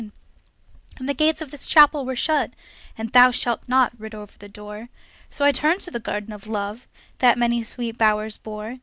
And the gates of this Chapel were shut, And 'Thou shalt not' writ over the door; So I turned to the Garden of Love That so many sweet flowers bore.